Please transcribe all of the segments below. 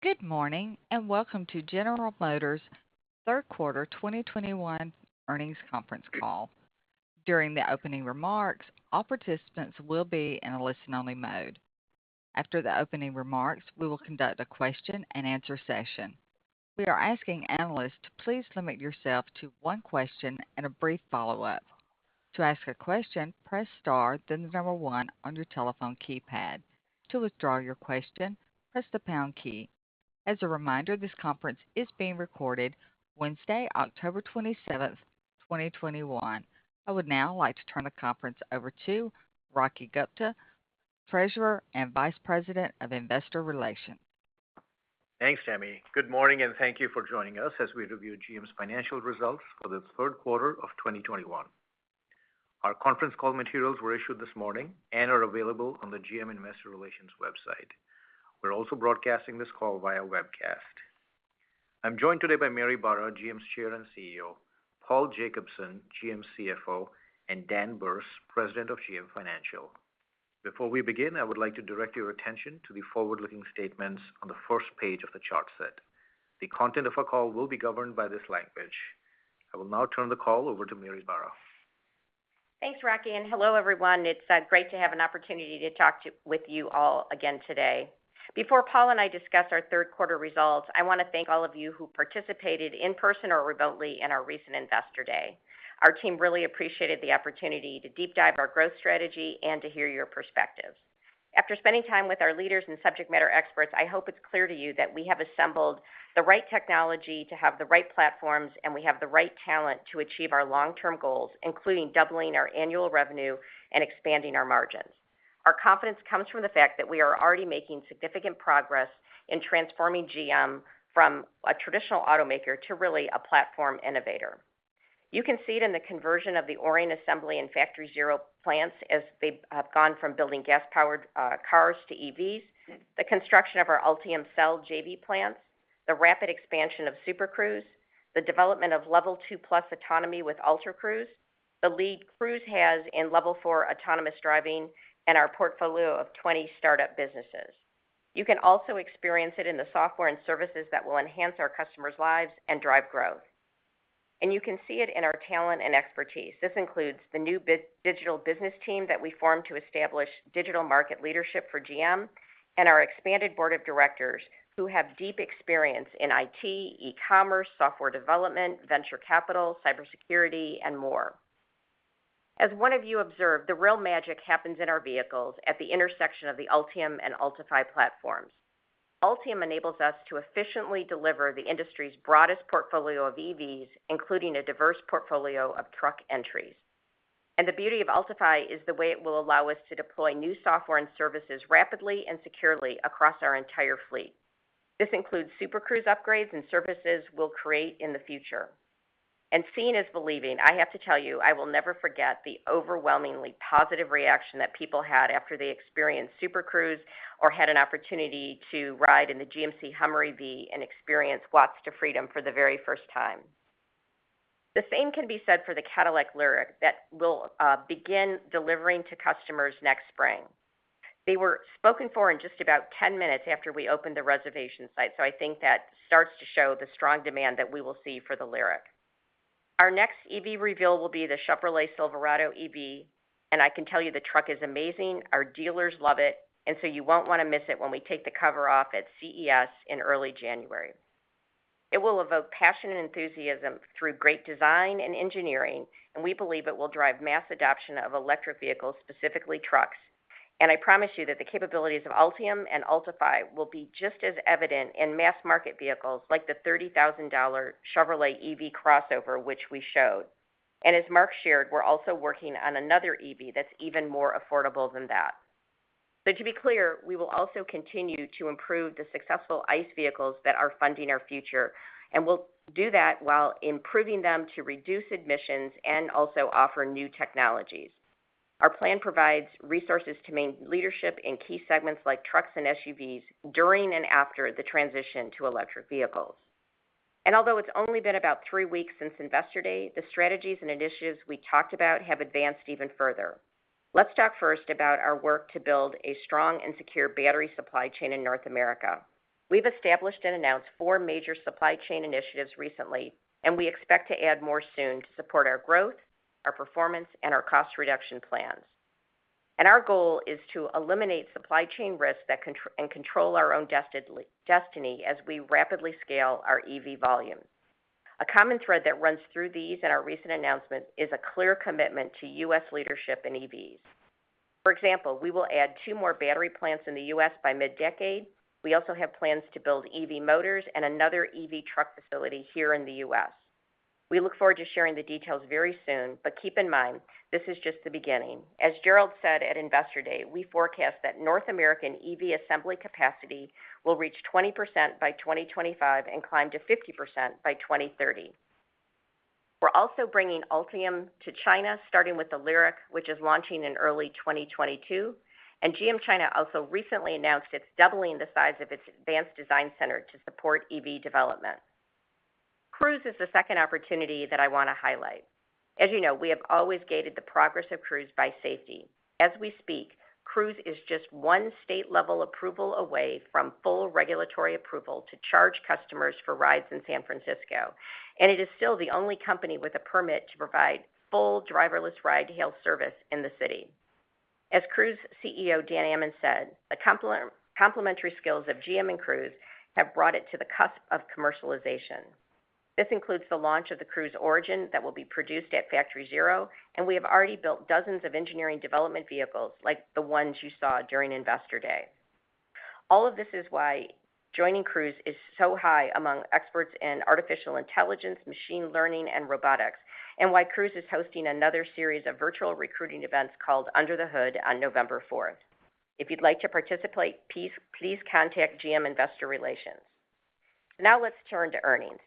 Good morning, and welcome to General Motors' third quarter 2021 earnings conference call. During the opening remarks, all participants will be in a listen-only mode. After the opening remarks, we will conduct a question-and-answer session. We are asking analysts to please limit yourself to one question and a brief follow-up. To ask a question, press star then the number one on your telephone keypad. To withdraw your question, press the pound key. As a reminder, this conference is being recorded Wednesday, October 27th, 2021. I would now like to turn the conference over to Rocky Gupta, Treasurer and Vice President of Investor Relations. Thanks, Tammy. Good morning, and thank you for joining us as we review GM's financial results for the third quarter of 2021. Our conference call materials were issued this morning and are available on the GM Investor Relations website. We're also broadcasting this call via webcast. I'm joined today by Mary Barra, GM's Chair and CEO, Paul Jacobson, GM's CFO, and Dan Berce, President of GM Financial. Before we begin, I would like to direct your attention to the forward-looking statements on the first page of the chart set. The content of our call will be governed by this language. I will now turn the call over to Mary Barra. Thanks, Rocky, and hello, everyone. It's great to have an opportunity to talk with you all again today. Before Paul and I discuss our third quarter results, I wanna thank all of you who participated in person or remotely in our recent Investor Day. Our team really appreciated the opportunity to deep dive our growth strategy and to hear your perspectives. After spending time with our leaders and subject matter experts, I hope it's clear to you that we have assembled the right technology to have the right platforms, and we have the right talent to achieve our long-term goals, including doubling our annual revenue and expanding our margins. Our confidence comes from the fact that we are already making significant progress in transforming GM from a traditional automaker to really a platform innovator. You can see it in the conversion of the Orion Assembly and Factory ZERO plants as they have gone from building gas-powered cars to EVs, the construction of our Ultium cell JV plants, the rapid expansion of Super Cruise, the development of Level Two Plus autonomy with Ultra Cruise, the lead Cruise has in Level Four autonomous driving, and our portfolio of 20 startup businesses. You can also experience it in the software and services that will enhance our customers' lives and drive growth. You can see it in our talent and expertise. This includes the new BrightDrop business team that we formed to establish digital market leadership for GM and our expanded board of directors who have deep experience in IT, e-commerce, software development, venture capital, cybersecurity, and more. As one of you observed, the real magic happens in our vehicles at the intersection of the Ultium and Ultifi platforms. Ultium enables us to efficiently deliver the industry's broadest portfolio of EVs, including a diverse portfolio of truck entries. The beauty of Ultifi is the way it will allow us to deploy new software and services rapidly and securely across our entire fleet. This includes Super Cruise upgrades and services we'll create in the future. Seeing is believing. I have to tell you, I will never forget the overwhelmingly positive reaction that people had after they experienced Super Cruise or had an opportunity to ride in the GMC Hummer EV and experience Watts to Freedom for the very first time. The same can be said for the Cadillac LYRIQ that we'll begin delivering to customers next spring. They were spoken for in just about 10 min after we opened the reservation site, so I think that starts to show the strong demand that we will see for the LYRIQ. Our next EV reveal will be the Chevrolet Silverado EV, and I can tell you the truck is amazing. Our dealers love it, and so you won't wanna miss it when we take the cover off at CES in early January. It will evoke passion and enthusiasm through great design and engineering, and we believe it will drive mass adoption of electric vehicles, specifically trucks. I promise you that the capabilities of Ultium and Ultifi will be just as evident in mass market vehicles like the $30,000 Chevrolet EV crossover, which we showed. As Mark shared, we're also working on another EV that's even more affordable than that. To be clear, we will also continue to improve the successful ICE vehicles that are funding our future, and we'll do that while improving them to reduce emissions and also offer new technologies. Our plan provides resources to maintain leadership in key segments like trucks and SUVs during and after the transition to electric vehicles. Although it's only been about three weeks since Investor Day, the strategies and initiatives we talked about have advanced even further. Let's talk first about our work to build a strong and secure battery supply chain in North America. We've established and announced four major supply chain initiatives recently, and we expect to add more soon to support our growth, our performance, and our cost reduction plans. Our goal is to eliminate supply chain risks, and control our own destiny as we rapidly scale our EV volume. A common thread that runs through these and our recent announcement is a clear commitment to U.S. leadership in EVs. For example, we will add two more battery plants in the U.S. by mid-decade. We also have plans to build EV motors and another EV truck facility here in the U.S. We look forward to sharing the details very soon, but keep in mind, this is just the beginning. As Gerald said at Investor Day, we forecast that North American EV assembly capacity will reach 20% by 2025 and climb to 50% by 2030. We're also bringing Ultium to China, starting with the LYRIQ, which is launching in early 2022, and GM China also recently announced it's doubling the size of its advanced design center to support EV development. Cruise is the second opportunity that I want to highlight. As you know, we have always gated the progress of Cruise by safety. As we speak, Cruise is just one state-level approval away from full regulatory approval to charge customers for rides in San Francisco, and it is still the only company with a permit to provide full driverless ride-hail service in the city. As Cruise CEO Dan Ammann said, the complementary skills of GM and Cruise have brought it to the cusp of commercialization. This includes the launch of the Cruise Origin that will be produced at Factory Zero, and we have already built dozens of engineering development vehicles like the ones you saw during Investor Day. All of this is why joining Cruise is so high among experts in artificial intelligence, machine learning, and robotics, and why Cruise is hosting another series of virtual recruiting events called Under the Hood on November fourth. If you'd like to participate, please contact GM Investor Relations. Now let's turn to earnings.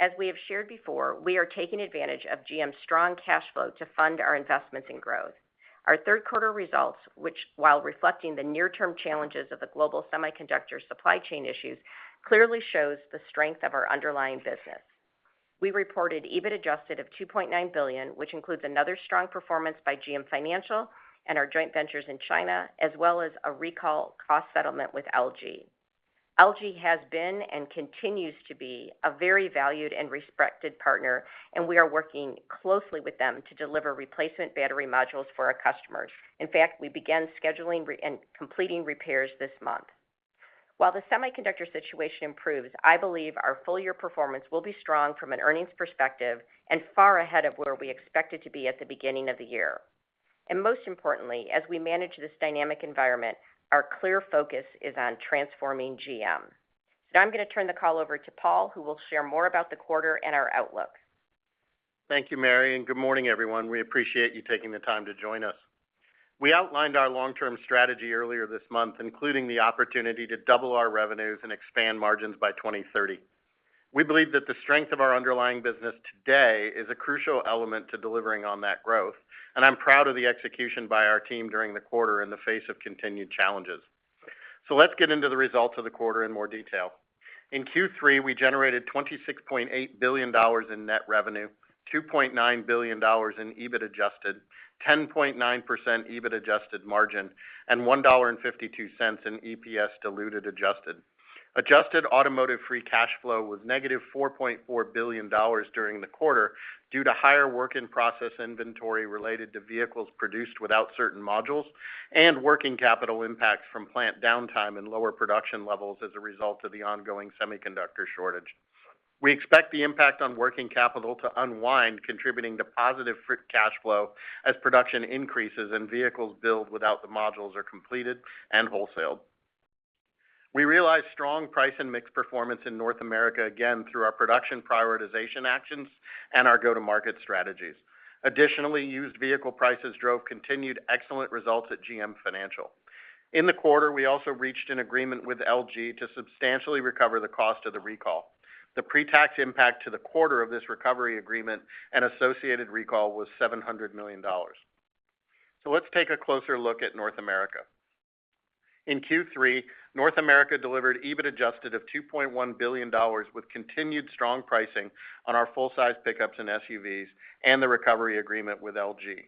As we have shared before, we are taking advantage of GM's strong cash flow to fund our investments in growth. Our third quarter results, which while reflecting the near term challenges of the global semiconductor supply chain issues, clearly shows the strength of our underlying business. We reported EBIT adjusted of $2.9 billion, which includes another strong performance by GM Financial and our joint ventures in China, as well as a recall cost settlement with LG. LG has been and continues to be a very valued and respected partner, and we are working closely with them to deliver replacement battery modules for our customers. In fact, we began scheduling and completing repairs this month. While the semiconductor situation improves, I believe our full year performance will be strong from an earnings perspective and far ahead of where we expected to be at the beginning of the year. Most importantly, as we manage this dynamic environment, our clear focus is on transforming GM. Now I'm going to turn the call over to Paul, who will share more about the quarter and our outlook. Thank you, Mary, and good morning, everyone. We appreciate you taking the time to join us. We outlined our long-term strategy earlier this month, including the opportunity to double our revenues and expand margins by 2030. We believe that the strength of our underlying business today is a crucial element to delivering on that growth, and I'm proud of the execution by our team during the quarter in the face of continued challenges. Let's get into the results of the quarter in more detail. In Q3, we generated $26.8 billion in net revenue, $2.9 billion in EBIT adjusted, 10.9% EBIT adjusted margin, and $1.52 in EPS diluted adjusted. Adjusted automotive free cash flow was -$4.4 billion during the quarter due to higher work in process inventory related to vehicles produced without certain modules and working capital impacts from plant downtime and lower production levels as a result of the ongoing semiconductor shortage. We expect the impact on working capital to unwind, contributing to positive free cash flow as production increases and vehicles built without the modules are completed and wholesaled. We realized strong price and mix performance in North America, again, through our production prioritization actions and our go-to-market strategies. Additionally, used vehicle prices drove continued excellent results at GM Financial. In the quarter, we also reached an agreement with LG to substantially recover the cost of the recall. The pre-tax impact to the quarter of this recovery agreement and associated recall was $700 million. Let's take a closer look at North America. In Q3, North America delivered EBIT adjusted of $2.1 billion with continued strong pricing on our full-size pickups and SUVs and the recovery agreement with LG.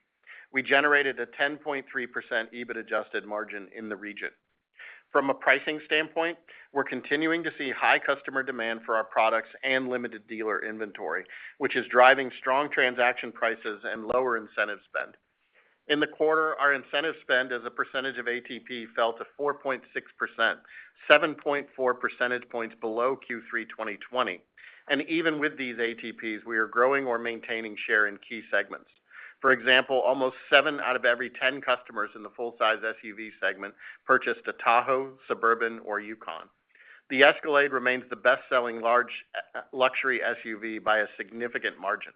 We generated a 10.3% EBIT adjusted margin in the region. From a pricing standpoint, we're continuing to see high customer demand for our products and limited dealer inventory, which is driving strong transaction prices and lower incentive spend. In the quarter, our incentive spend as a percentage of ATP fell to 4.6%, 7.4 percentage points below Q3 2020. Even with these ATPs, we are growing or maintaining share in key segments. For example, almost 7 out of every 10 customers in the full-size SUV segment purchased a Tahoe, Suburban, or Yukon. The Escalade remains the best-selling large luxury SUV by a significant margin.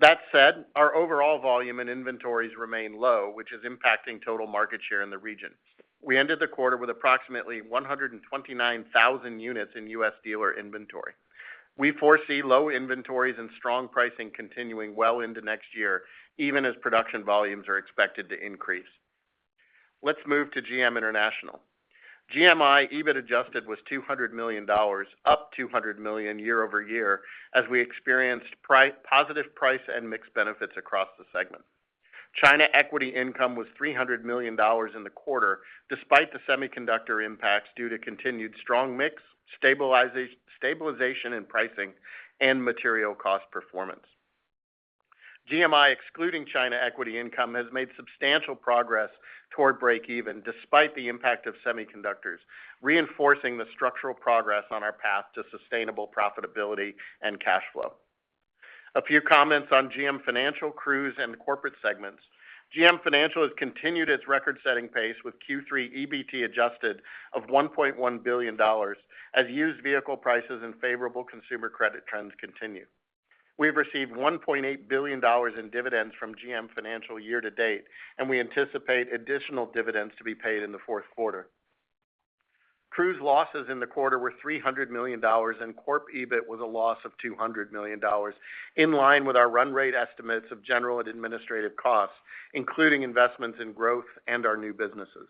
That said, our overall volume and inventories remain low, which is impacting total market share in the region. We ended the quarter with approximately 129,000 units in U.S. dealer inventory. We foresee low inventories and strong pricing continuing well into next year, even as production volumes are expected to increase. Let's move to GM International. GMI EBIT adjusted was $200 million, up $200 million year-over-year as we experienced positive price and mix benefits across the segment. China equity income was $300 million in the quarter, despite the semiconductor impacts due to continued strong mix, stabilization in pricing and material cost performance. GMI, excluding China equity income, has made substantial progress toward breakeven despite the impact of semiconductors, reinforcing the structural progress on our path to sustainable profitability and cash flow. A few comments on GM Financial, Cruise, and corporate segments. GM Financial has continued its record-setting pace with Q3 EBT adjusted of $1.1 billion as used vehicle prices and favorable consumer credit trends continue. We've received $1.8 billion in dividends from GM Financial year to date, and we anticipate additional dividends to be paid in the fourth quarter. Cruise losses in the quarter were $300 million, and corp EBIT was a loss of $200 million, in line with our run rate estimates of general and administrative costs, including investments in growth and our new businesses.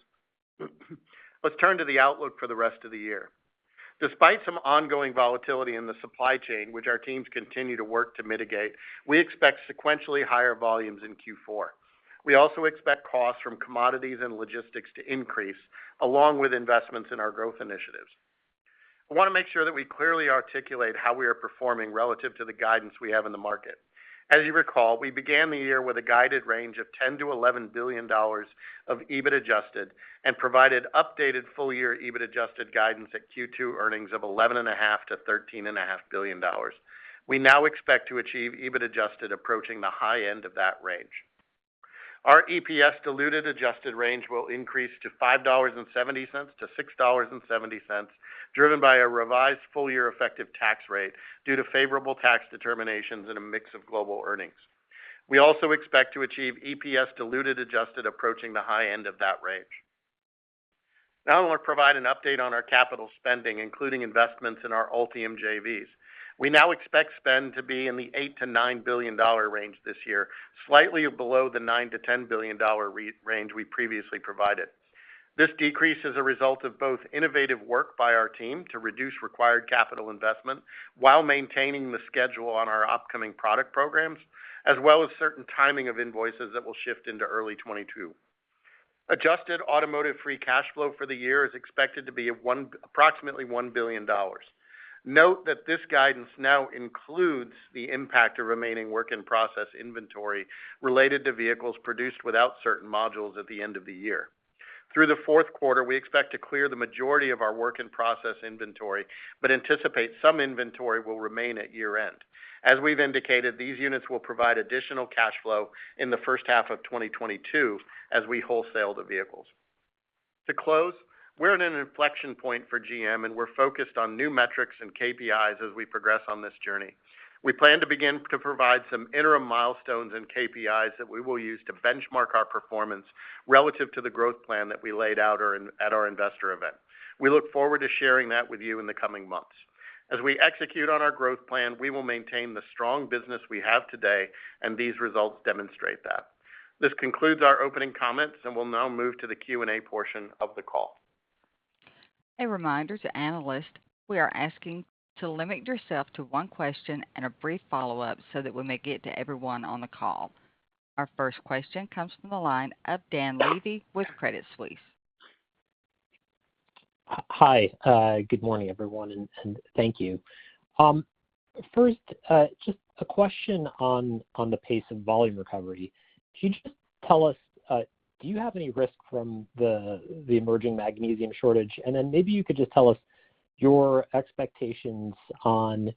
Let's turn to the outlook for the rest of the year. Despite some ongoing volatility in the supply chain, which our teams continue to work to mitigate, we expect sequentially higher volumes in Q4. We also expect costs from commodities and logistics to increase, along with investments in our growth initiatives. I wanna make sure that we clearly articulate how we are performing relative to the guidance we have in the market. As you recall, we began the year with a guided range of $10 billion-$11 billion of EBIT adjusted and provided updated full-year EBIT adjusted guidance at Q2 earnings of $11.5 billion-$13.5 billion. We now expect to achieve EBIT adjusted approaching the high end of that range. Our EPS diluted adjusted range will increase to $5.70-$6.70, driven by a revised full-year effective tax rate due to favorable tax determinations in a mix of global earnings. We also expect to achieve EPS diluted adjusted approaching the high end of that range. Now I wanna provide an update on our capital spending, including investments in our Ultium JVs. We now expect spend to be in the $8 billion-$9 billion range this year, slightly below the $9 billion-$10 billion re-range we previously provided. This decrease is a result of both innovative work by our team to reduce required capital investment while maintaining the schedule on our upcoming product programs, as well as certain timing of invoices that will shift into early 2022. Adjusted automotive free cash flow for the year is expected to be approximately $1 billion. Note that this guidance now includes the impact of remaining work in process inventory related to vehicles produced without certain modules at the end of the year. Through the fourth quarter, we expect to clear the majority of our work in process inventory, but anticipate some inventory will remain at year-end. As we've indicated, these units will provide additional cash flow in the first half of 2022 as we wholesale the vehicles. To close, we're at an inflection point for GM and we're focused on new metrics and KPIs as we progress on this journey. We plan to begin to provide some interim milestones and KPIs that we will use to benchmark our performance relative to the growth plan that we laid out or at our investor event. We look forward to sharing that with you in the coming months. As we execute on our growth plan, we will maintain the strong business we have today, and these results demonstrate that. This concludes our opening comments, and we'll now move to the Q&A portion of the call. A reminder to analysts, we are asking to limit yourself to one question and a brief follow-up so that we may get to everyone on the call. Our first question comes from the line of Dan Levy with Credit Suisse. Hi. Good morning, everyone, and thank you. First, just a question on the pace and volume recovery. Can you just tell us, do you have any risk from the emerging magnesium shortage? And then maybe you could just tell us your expectations on,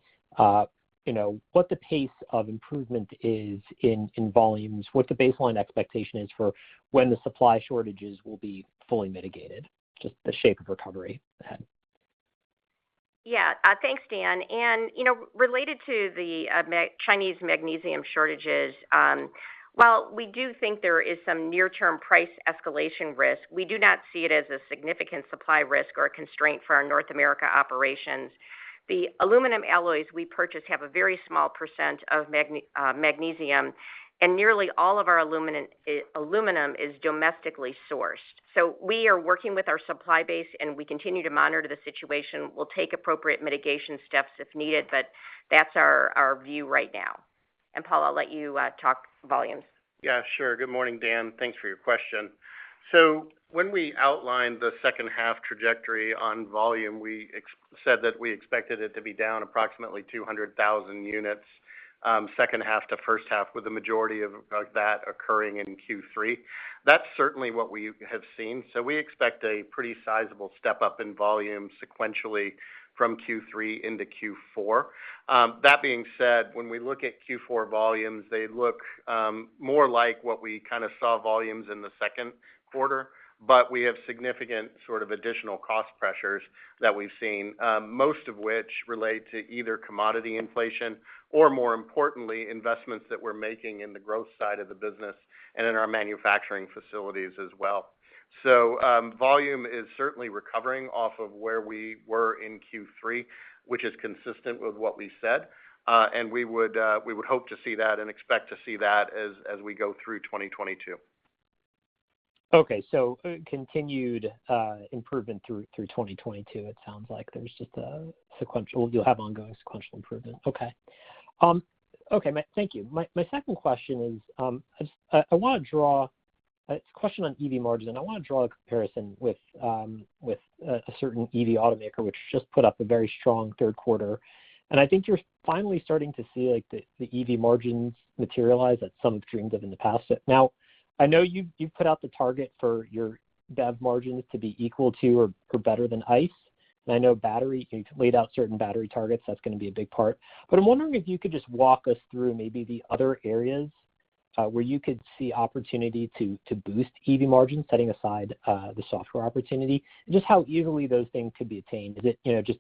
you know, what the pace of improvement is in volumes, what the baseline expectation is for when the supply shortages will be fully mitigated, just the shape of recovery ahead. Yeah. Thanks, Dan. You know, related to the Chinese magnesium shortages, while we do think there is some near term price escalation risk, we do not see it as a significant supply risk or a constraint for our North America operations. The aluminum alloys we purchase have a very small % of magnesium, and nearly all of our aluminum is domestically sourced. We are working with our supply base, and we continue to monitor the situation. We'll take appropriate mitigation steps if needed, but that's our view right now. Paul, I'll let you talk volumes. Yeah, sure. Good morning, Dan. Thanks for your question. When we outlined the second half trajectory on volume, we said that we expected it to be down approximately 200,000 units, second half to first half, with the majority of that occurring in Q3. That's certainly what we have seen. We expect a pretty sizable step-up in volume sequentially from Q3 into Q4. That being said, when we look at Q4 volumes, they look more like what we kinda saw volumes in the second quarter, but we have significant sort of additional cost pressures that we've seen, most of which relate to either commodity inflation or, more importantly, investments that we're making in the growth side of the business and in our manufacturing facilities as well. Volume is certainly recovering off of where we were in Q3, which is consistent with what we said. We would hope to see that and expect to see that as we go through 2022. Okay. Continued improvement through 2022, it sounds like. There's just a sequential improvement. You'll have ongoing sequential improvement. Okay. Thank you. My second question is. It's a question on EV margin, and I wanna draw a comparison with a certain EV automaker which just put up a very strong third quarter. I think you're finally starting to see, like, the EV margins materialize that some have dreamed of in the past. Now, I know you've put out the target for your BEV margins to be equal to or better than ICE, and I know battery you laid out certain battery targets, that's gonna be a big part. I'm wondering if you could just walk us through maybe the other areas, where you could see opportunity to boost EV margins, setting aside the software opportunity, and just how easily those things could be attained. Is it, you know, just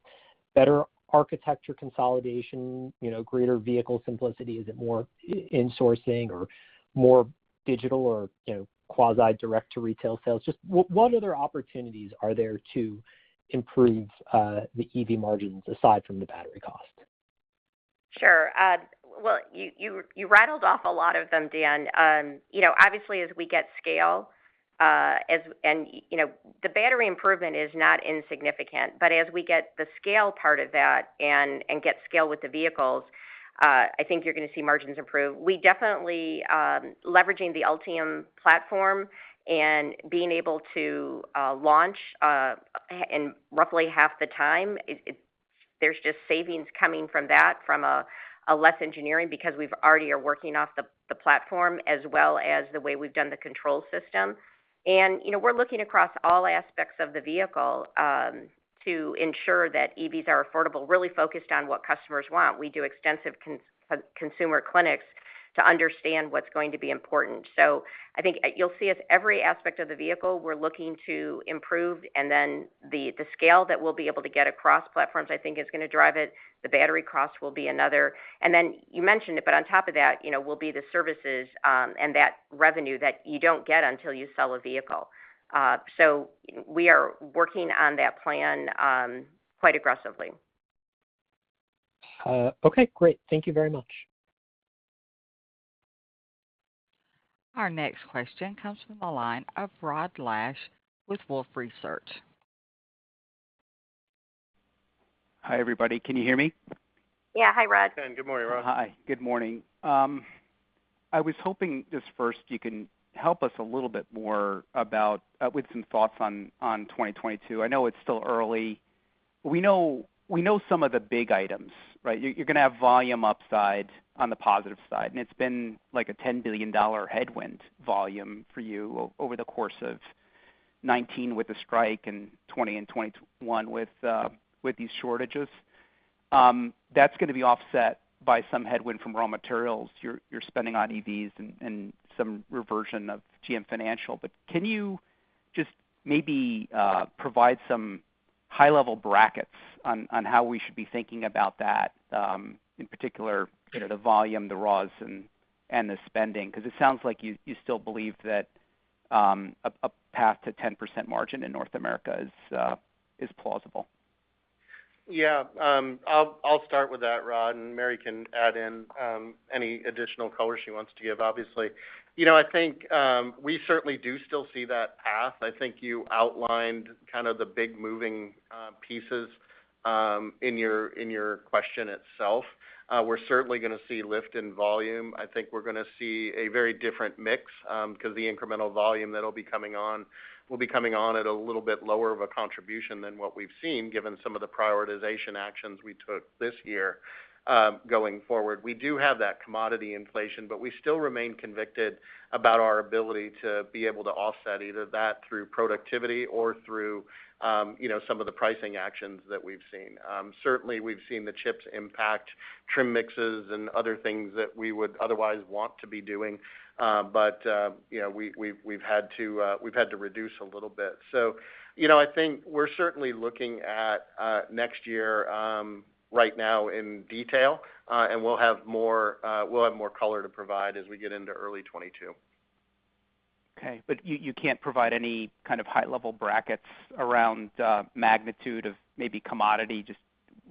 better architecture consolidation, you know, greater vehicle simplicity? Is it more in-sourcing or more digital or, you know, quasi-direct to retail sales? Just what other opportunities are there to improve the EV margins aside from the battery cost? Sure. Well, you rattled off a lot of them, Dan. You know, obviously, as we get scale, and you know, the battery improvement is not insignificant, but as we get the scale part of that and get scale with the vehicles, I think you're gonna see margins improve. We definitely leveraging the Ultium platform and being able to launch and roughly half the time, there's just savings coming from that from a less engineering because we've already are working off the platform as well as the way we've done the control system. You know, we're looking across all aspects of the vehicle to ensure that EVs are affordable, really focused on what customers want. We do extensive consumer clinics to understand what's going to be important. I think you'll see in every aspect of the vehicle we're looking to improve, and then the scale that we'll be able to get across platforms, I think is gonna drive it. The battery cost will be another. Then you mentioned it, but on top of that, you know, will be the services, and that revenue that you don't get until you sell a vehicle. We are working on that plan quite aggressively. Okay, great. Thank you very much. Our next question comes from the line of Rod Lache with Wolfe Research. Hi, everybody. Can you hear me? Yeah. Hi, Rod. Dan, good morning, Rod. Hi, good morning. I was hoping just first you can help us a little bit more about with some thoughts on 2022. I know it's still early. We know some of the big items, right? You're gonna have volume upside on the positive side, and it's been like a $10 billion headwind volume for you over the course of 2019 with the strike and 2020 and 2021 with these shortages. That's gonna be offset by some headwind from raw materials, your spending on EVs and some reversion of GM Financial. Can you just maybe provide some high level brackets on how we should be thinking about that, in particular, you know, the volume, the raws and the spending? Because it sounds like you still believe that a path to 10% margin in North America is plausible. Yeah. I'll start with that, Rod, and Mary can add in any additional color she wants to give, obviously. You know, I think we certainly do still see that path. I think you outlined kind of the big moving pieces in your question itself. We're certainly gonna see lift in volume. I think we're gonna see a very different mix because the incremental volume that'll be coming on will be coming on at a little bit lower of a contribution than what we've seen, given some of the prioritization actions we took this year, going forward. We do have that commodity inflation, but we still remain convicted about our ability to be able to offset either that through productivity or through you know, some of the pricing actions that we've seen. Certainly we've seen the chips impact trim mixes and other things that we would otherwise want to be doing, but you know, we've had to reduce a little bit. You know, I think we're certainly looking at next year right now in detail, and we'll have more color to provide as we get into early 2022. Okay. You can't provide any kind of high level brackets around magnitude of maybe commodity just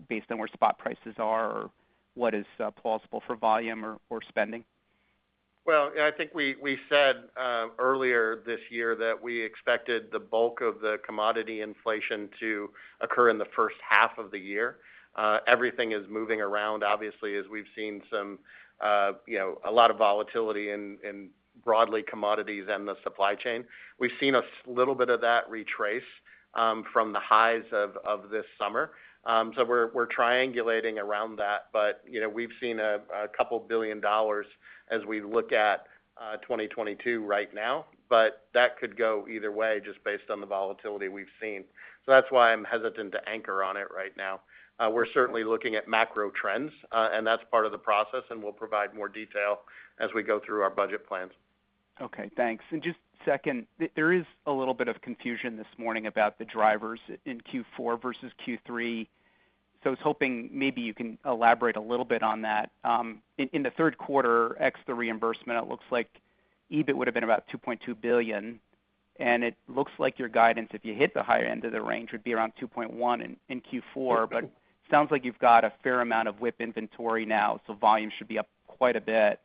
based on where spot prices are or what is plausible for volume or spending? Well, I think we said earlier this year that we expected the bulk of the commodity inflation to occur in the first half of the year. Everything is moving around obviously, as we've seen some, you know, a lot of volatility in broadly commodities and the supply chain. We've seen a little bit of that retrace from the highs of this summer. We're triangulating around that. You know, we've seen $2 billion as we look at 2022 right now, but that could go either way just based on the volatility we've seen. That's why I'm hesitant to anchor on it right now. We're certainly looking at macro trends, and that's part of the process, and we'll provide more detail as we go through our budget plans. Okay, thanks. Just second, there is a little bit of confusion this morning about the drivers in Q4 versus Q3. I was hoping maybe you can elaborate a little bit on that. In the third quarter, ex the reimbursement, it looks like EBIT would have been about $2.2 billion, and it looks like your guidance, if you hit the higher end of the range, would be around $2.1 billion in Q4. Sounds like you've got a fair amount of WIP inventory now, so volume should be up quite a bit.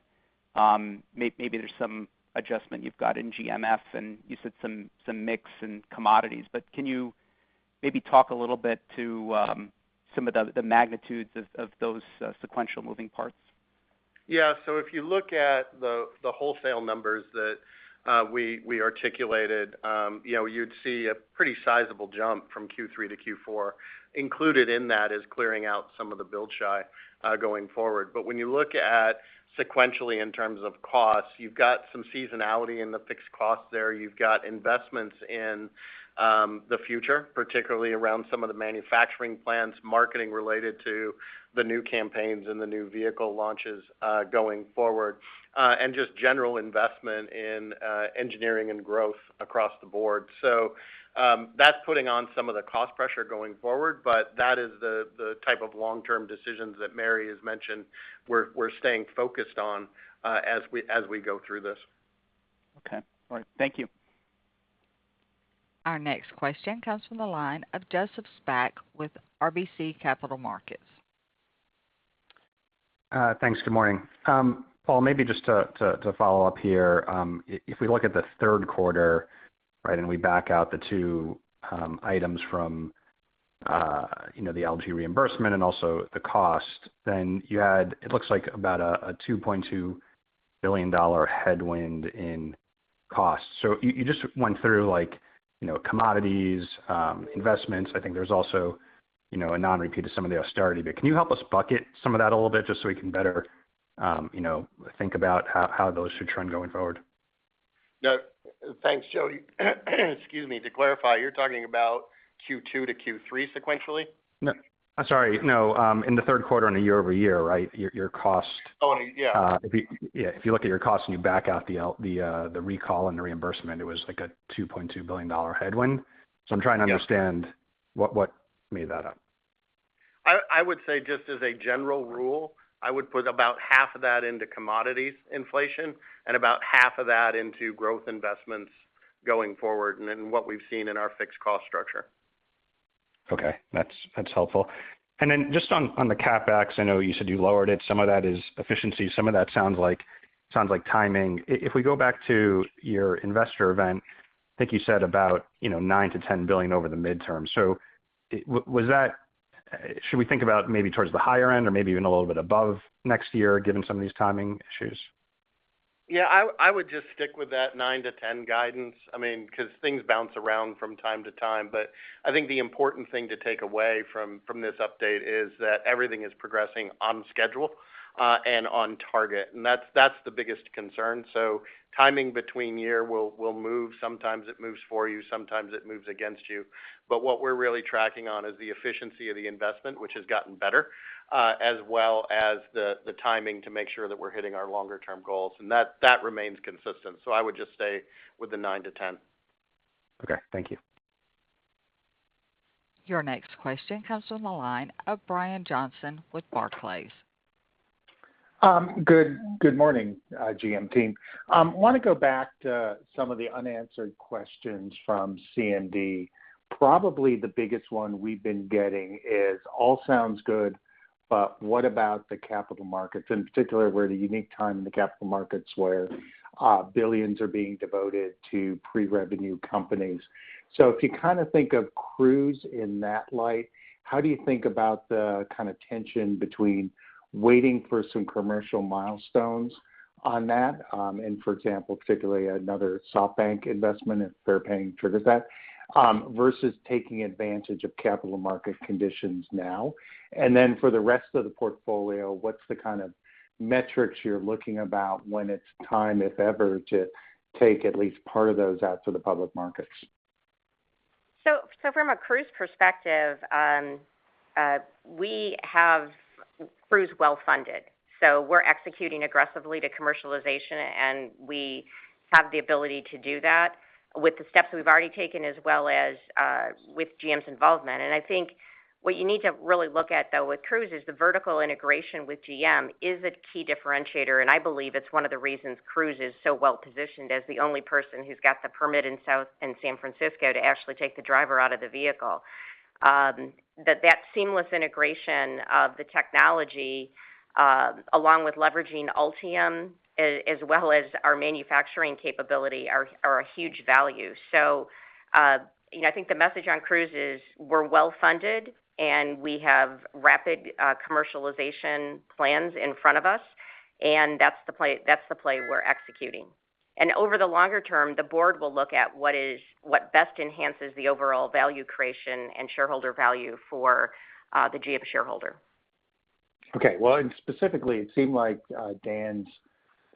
Maybe there's some adjustment you've got in GMF, and you said some mix in commodities. Can you maybe talk a little bit to some of the magnitudes of those sequential moving parts? Yeah. If you look at the wholesale numbers that we articulated, you know, you'd see a pretty sizable jump from Q3 - Q4. Included in that is clearing out some of the build-shy going forward. When you look at sequentially in terms of costs, you've got some seasonality in the fixed costs there. You've got investments in the future, particularly around some of the manufacturing plants, marketing related to the new campaigns and the new vehicle launches going forward, and just general investment in engineering and growth across the board. That's putting on some of the cost pressure going forward, but that is the type of long-term decisions that Mary has mentioned we're staying focused on as we go through this. Okay. All right. Thank you. Our next question comes from the line of Joseph Spak with RBC Capital Markets. Thanks. Good morning. Paul, maybe just to follow up here. If we look at the third quarter, right, and we back out the two items from, you know, the LG reimbursement and also the cost, then you had, it looks like about a $2.2 billion headwind in cost. So you just went through like, you know, commodities, investments. I think there's also, you know, a non-repeat of some of the austerity. But can you help us bucket some of that a little bit just so we can better, you know, think about how those should trend going forward? Yeah. Thanks, Joseph. Excuse me. To clarify, you're talking about Q2 - Q3 sequentially? No. I'm sorry. No. In the third quarter on a year-over-year, right? Your cost- Oh, yeah. If you look at your costs and you back out the recall and the reimbursement, it was like a $2.2 billion headwind. Yeah. I'm trying to understand what made that up. I would say just as a general rule, I would put about half of that into commodities inflation and about half of that into growth investments going forward and in what we've seen in our fixed cost structure. Okay, that's helpful. Just on the CapEx, I know you said you lowered it. Some of that is efficiency, some of that sounds like timing. If we go back to your investor event, I think you said about, you know, $9 billion-$10 billion over the midterm. Was that? Should we think about maybe towards the higher end or maybe even a little bit above next year given some of these timing issues? Yeah, I would just stick with that 9-10 guidance. I mean, 'cause things bounce around from time to time. I think the important thing to take away from this update is that everything is progressing on schedule, and on target, and that's the biggest concern. Timing between year will move. Sometimes it moves for you, sometimes it moves against you. What we're really tracking on is the efficiency of the investment, which has gotten better, as well as the timing to make sure that we're hitting our longer term goals. That remains consistent. I would just stay with the 9-10. Okay, thank you. Your next question comes from the line of Brian Johnson with Barclays. Good morning, GM team. Wanna go back to some of the unanswered questions from CMD. Probably the biggest one we've been getting is all sounds good, but what about the capital markets, in particular, we're at a unique time in the capital markets where billions are being devoted to pre-revenue companies. If you kinda think of Cruise in that light, how do you think about the kinda tension between waiting for some commercial milestones on that, and for example, particularly another SoftBank investment if there are payment triggers that, versus taking advantage of capital market conditions now? Then for the rest of the portfolio, what's the kind of metrics you're looking at when it's time, if ever, to take at least part of those out to the public markets? From a Cruise perspective, we have Cruise well-funded. We're executing aggressively to commercialization, and we have the ability to do that with the steps we've already taken, as well as with GM's involvement. I think what you need to really look at, though, with Cruise is the vertical integration with GM is a key differentiator, and I believe it's one of the reasons Cruise is so well-positioned as the only person who's got the permit in San Francisco to actually take the driver out of the vehicle. That seamless integration of the technology along with leveraging Ultium as well as our manufacturing capability are a huge value. You know, I think the message on Cruise is we're well-funded, and we have rapid commercialization plans in front of us, and that's the play we're executing. Over the longer term, the board will look at what best enhances the overall value creation and shareholder value for the GM shareholder. Okay. Well, specifically, it seemed like Dan's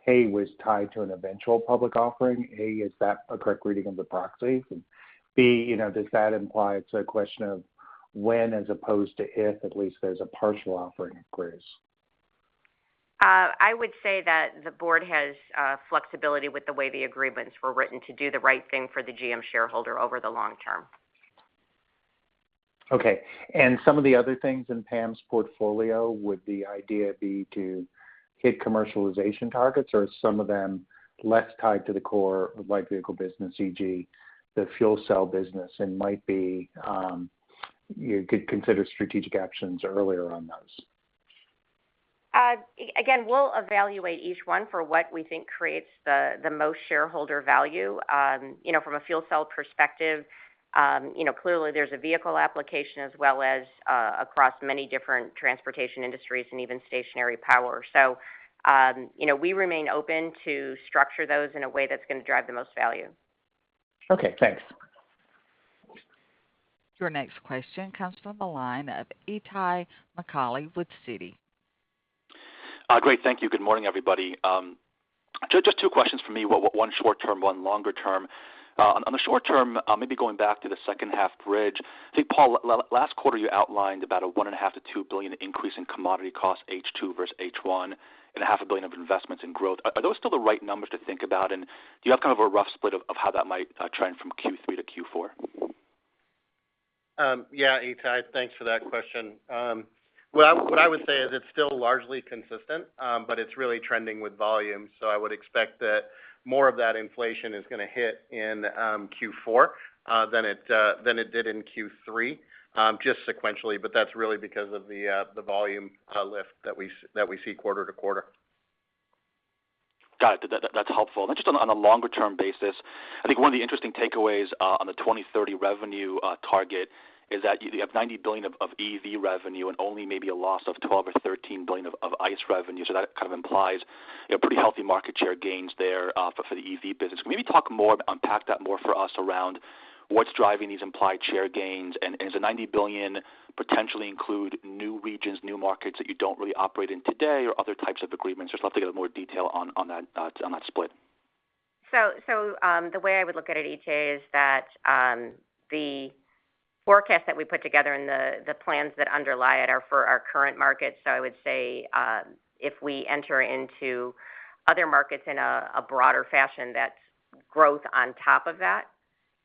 pay was tied to an eventual public offering. A, is that a correct reading of the proxy? B, you know, does that imply it's a question of when as opposed to if at least there's a partial offering of Cruise? I would say that the board has flexibility with the way the agreements were written to do the right thing for the GM shareholder over the long term. Okay. Some of the other things in Pamela Fletcher, would the idea be to hit commercialization targets, or are some of them less tied to the core light vehicle business, e.g., the fuel cell business, and might be, you could consider strategic actions earlier on those? Again, we'll evaluate each one for what we think creates the most shareholder value. You know, from a fuel cell perspective, you know, clearly there's a vehicle application as well as across many different transportation industries and even stationary power. You know, we remain open to structure those in a way that's gonna drive the most value. Okay, thanks. Your next question comes from the line of Itay Michaeli with Citi. Great. Thank you. Good morning, everybody. Just two questions from me, one short term, one longer term. On the short term, maybe going back to the second half bridge. I think, Paul, last quarter, you outlined about a $1.5 billion-$2 billion increase in commodity costs, H2 versus H1, and $0.5 billion of investments in growth. Are those still the right numbers to think about? And do you have kind of a rough split of how that might trend from Q3 - Q4? Yeah, Itay, thanks for that question. Well, what I would say is it's still largely consistent, but it's really trending with volume. I would expect that more of that inflation is gonna hit in Q4 than it did in Q3, just sequentially, but that's really because of the volume lift that we see quarter to quarter. Got it. That's helpful. Just on a longer-term basis, I think one of the interesting takeaways on the 2030 revenue target is that you have $90 billion of EV revenue and only maybe a loss of $12 billion or $13 billion of ICE revenue. That kind of implies, you know, pretty healthy market share gains there for the EV business. Can you maybe talk more, unpack that more for us around what's driving these implied share gains, and does the $90 billion potentially include new regions, new markets that you don't really operate in today or other types of agreements? Just love to get more detail on that split. The way I would look at it, Itay, is that the forecast that we put together and the plans that underlie it are for our current markets. I would say, if we enter into other markets in a broader fashion, that's growth on top of that.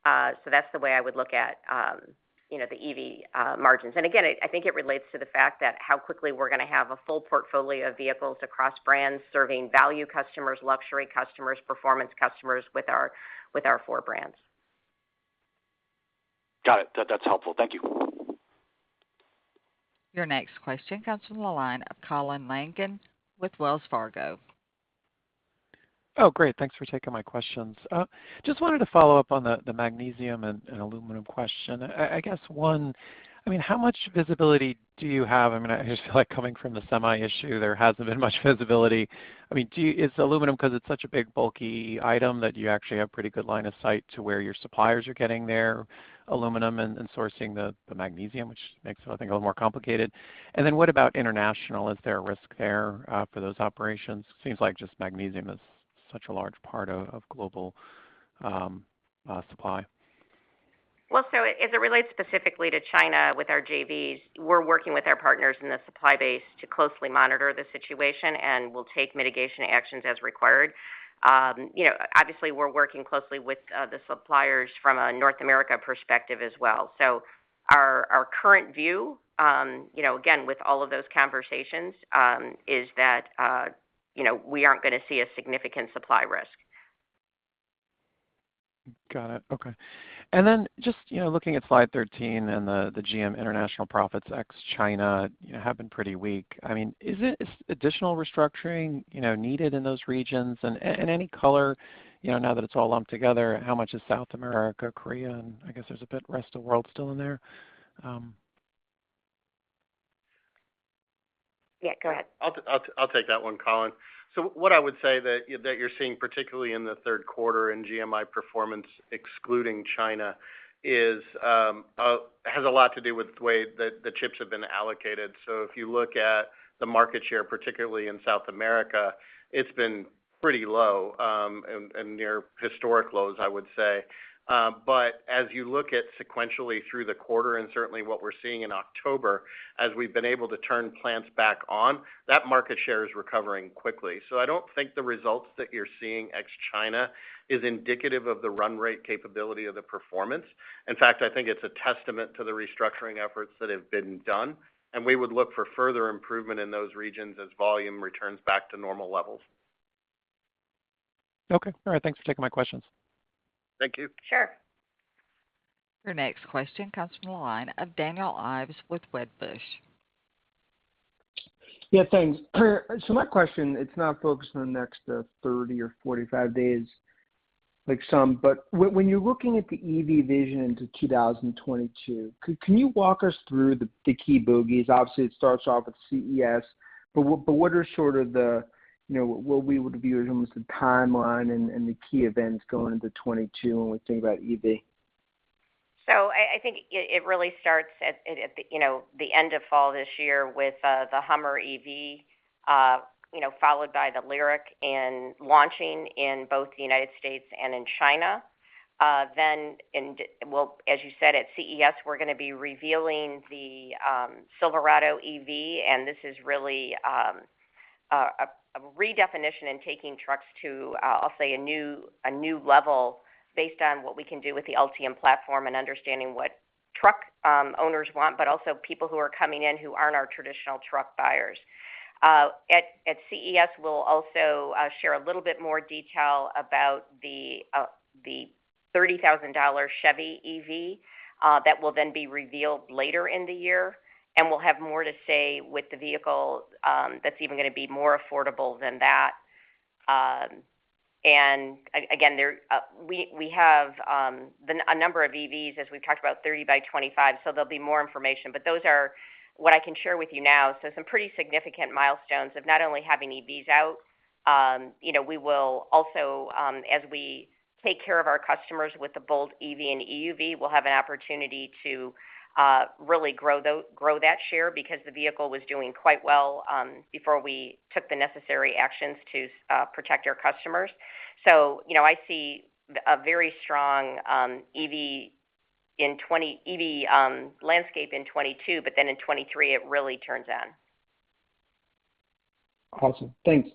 That's the way I would look at, you know, the EV margins. Again, I think it relates to the fact that how quickly we're gonna have a full portfolio of vehicles across brands serving value customers, luxury customers, performance customers with our four brands. Got it. That's helpful. Thank you. Your next question comes from the line of Colin Langan with Wells Fargo. Oh, great. Thanks for taking my questions. Just wanted to follow up on the magnesium and aluminum question. I guess, one, I mean, how much visibility do you have? I mean, I just feel like coming from the semi issue, there hasn't been much visibility. I mean, do you? Is aluminum, 'cause it's such a big, bulky item, that you actually have pretty good line of sight to where your suppliers are getting their aluminum and sourcing the magnesium, which makes it, I think, a little more complicated. Then what about international? Is there a risk there for those operations? It seems like just magnesium is such a large part of global supply. As it relates specifically to China with our JVs, we're working with our partners in the supply base to closely monitor the situation, and we'll take mitigation actions as required. You know, obviously, we're working closely with the suppliers from a North America perspective as well. Our current view, you know, with all of those conversations, is that, you know, we aren't gonna see a significant supply risk. Got it. Okay. Just, you know, looking at slide 13 and the GM international profits ex-China, you know, have been pretty weak. I mean, is additional restructuring, you know, needed in those regions? Any color, you know, now that it's all lumped together, how much is South America, Korea, and I guess there's a bit rest of world still in there. Yeah, go ahead. I'll take that one, Colin. What I would say that you're seeing, particularly in the third quarter in GMI performance, excluding China, is has a lot to do with the way that the chips have been allocated. If you look at the market share, particularly in South America, it's been pretty low, and near historic lows, I would say. But as you look at sequentially through the quarter and certainly what we're seeing in October, as we've been able to turn plants back on, that market share is recovering quickly. I don't think the results that you're seeing ex-China is indicative of the run rate capability of the performance. In fact, I think it's a testament to the restructuring efforts that have been done, and we would look for further improvement in those regions as volume returns back to normal levels. Okay. All right. Thanks for taking my questions. Thank you. Sure. Your next question comes from the line of Daniel Ives with Wedbush. Yeah, thanks. My question is not focused on the next 30 - 45 days like some, but when you're looking at the EV vision into 2022, can you walk us through the key bogies? Obviously, it starts off with CES, but what are sort of the, you know, what we would view as almost the timeline and the key events going into 2022 when we think about EV? I think it really starts at, you know, the end of fall this year with the Hummer EV followed by the LYRIQ and launching in both the United States and in China. As you said, at CES, we're gonna be revealing the Silverado EV, and this is really a redefinition in taking trucks to, I'll say, a new level based on what we can do with the Ultium platform and understanding what truck owners want, but also people who are coming in who aren't our traditional truck buyers. At CES, we'll also share a little bit more detail about the $30,000 Chevy EV that will then be revealed later in the year. We'll have more to say with the vehicle that's even gonna be more affordable than that. Again, we have a number of EVs, as we've talked about, 30 by 2025, so there'll be more information. Those are what I can share with you now. Some pretty significant milestones of not only having EVs out. You know, we will also, as we take care of our customers with the Bolt EV and Bolt EUV, we'll have an opportunity to really grow that share because the vehicle was doing quite well before we took the necessary actions to protect our customers. You know, I see a very strong EV landscape in 2022, but then in 2023, it really turns on. Awesome. Thanks.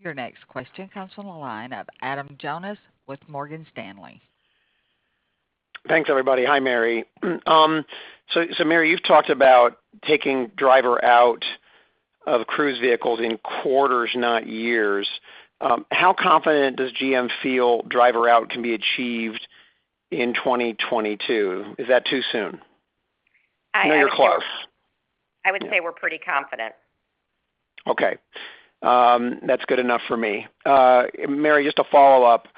Your next question comes from the line of Adam Jonas with Morgan Stanley. Thanks, everybody. Hi, Mary. Mary, you've talked about taking driver out of Cruise vehicles in quarters, not years. How confident does GM feel driver out can be achieved in 2022? Is that too soon? I, I know you're close. I would say we're pretty confident. Okay. That's good enough for me. Mary, just to follow up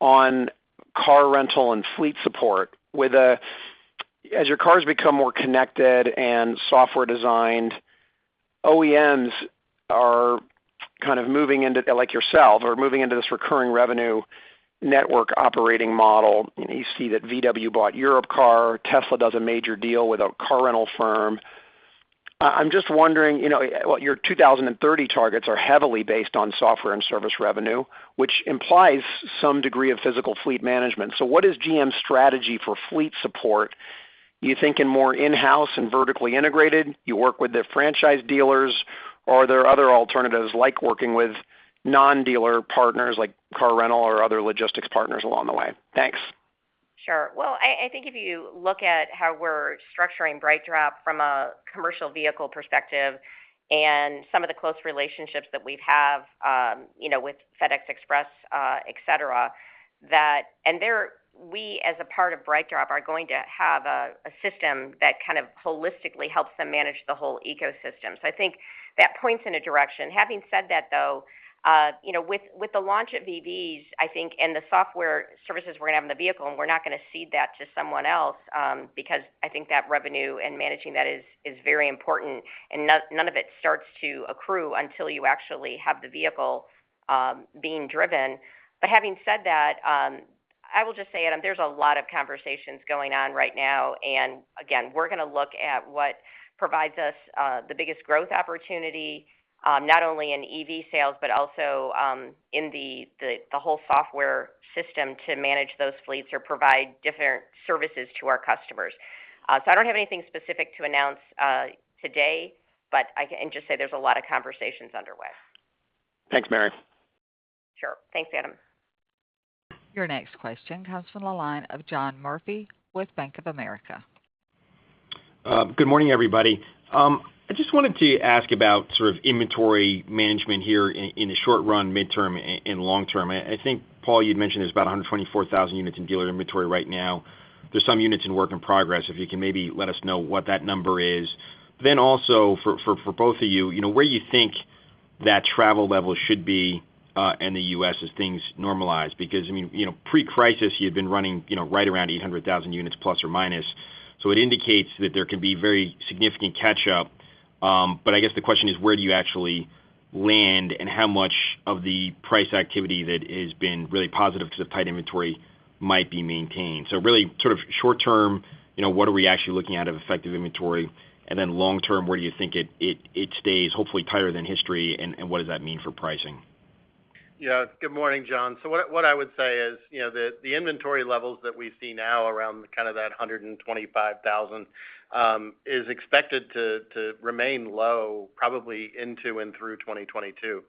on car rental and fleet support. With as your cars become more connected and software-defined, OEMs are kind of moving into, like yourself, are moving into this recurring revenue network operating model. You know, you see that VW bought Europcar. Tesla does a major deal with a car rental firm. I'm just wondering, you know, well, your 2030 targets are heavily based on software and service revenue, which implies some degree of physical fleet management. What is GM's strategy for fleet support? You think in more in-house and vertically integrated, you work with the franchise dealers, or are there other alternatives like working with non-dealer partners like car rental or other logistics partners along the way? Thanks. Sure. Well, I think if you look at how we're structuring BrightDrop from a commercial vehicle perspective and some of the close relationships that we have, you know, with FedEx Express, et cetera, that we, as a part of BrightDrop, are going to have a system that kind of holistically helps them manage the whole ecosystem. I think that points in a direction. Having said that, though, you know, with the launch of EVs, I think, and the software services we're going to have in the vehicle, and we're not going to cede that to someone else, because I think that revenue and managing that is very important. None of it starts to accrue until you actually have the vehicle being driven. Having said that, I will just say, Adam, there's a lot of conversations going on right now, and again, we're going to look at what provides us the biggest growth opportunity, not only in EV sales, but also in the whole software system to manage those fleets or provide different services to our customers. I don't have anything specific to announce today, but I can just say there's a lot of conversations underway. Thanks, Mary. Sure. Thanks, Adam. Your next question comes from the line of John Murphy with Bank of America. Good morning, everybody. I just wanted to ask about sort of inventory management here in the short run, midterm, and long term. I think, Paul, you'd mentioned there's about 124,000 units in dealer inventory right now. There's some units in work in progress, if you can maybe let us know what that number is. Then also for both of you know, where you think that target level should be in the U.S. as things normalize. Because, I mean, you know, pre-crisis, you'd been running, you know, right around 800,000 units plus or minus. It indicates that there can be very significant catch-up. I guess the question is, where do you actually land and how much of the price activity that has been really positive because of tight inventory might be maintained? Really sort of short term, you know, what are we actually looking at of effective inventory? Then long term, where do you think it stays, hopefully tighter than history, and what does that mean for pricing? Yeah. Good morning, John. What I would say is, you know, the inventory levels that we see now around kind of that 125,000 is expected to remain low probably into and through 2022,